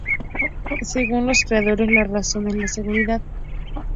Según los creadores, la razón es la seguridad.